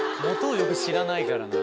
よく知らないからな。